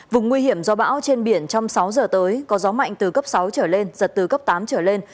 vùng nguy hiểm do bão trên biển trong sáu giờ tới có gió mạnh từ cấp sáu trở lên giật từ cấp tám trở lên